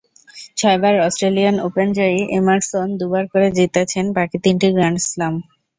ছয়বার অস্ট্রেলিয়ান ওপেনজয়ী এমারসন দুবার করে জিতেছেন বাকি তিনটি গ্র্যান্ড স্লাম।